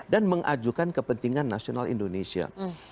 dan mengajukan kepentingan nasional indonesia